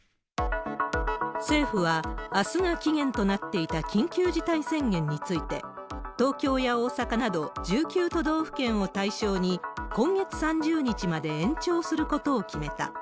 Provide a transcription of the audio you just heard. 政府は、あすが期限となっていた緊急事態宣言について、東京や大阪など１９都道府県を対象に、今月３０日まで延長することを決めた。